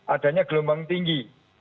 adanya gelombang tinggi